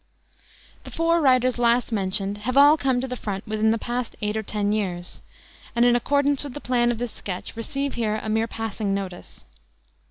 The four writers last mentioned have all come to the front within the past eight or ten years, and, in accordance with the plan of this sketch, receive here a mere passing notice.